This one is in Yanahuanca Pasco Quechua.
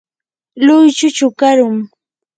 luychu chukarum.